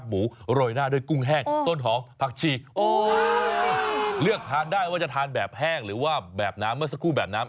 ไม่ใช่ว่าจะทานแบบแห้งหรือว่าแบบน้ำเมื่อสักครู่แบบน้ำ